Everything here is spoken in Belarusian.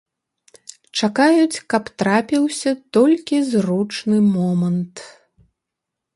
Чакаюць, каб трапіўся толькі зручны момант.